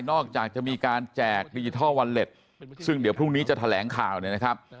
จากจะมีการแจกดิจิทัลวอลเล็ตซึ่งเดี๋ยวพรุ่งนี้จะแถลงข่าวเนี่ยนะครับ